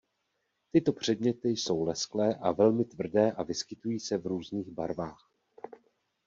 Tyto předměty jsou lesklé a velmi tvrdé a vyskytují se v různých barvách.